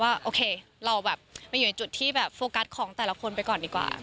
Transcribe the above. โอเคเราแบบมาอยู่ในจุดที่แบบโฟกัสของแต่ละคนไปก่อนดีกว่า